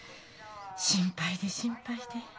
心配で心配で。